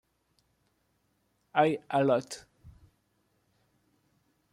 Y a Lot.